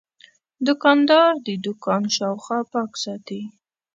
دوکاندار د دوکان شاوخوا پاک ساتي.